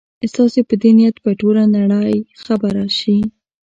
ستاسي په دې نیت به ټوله نړۍ خبره شي.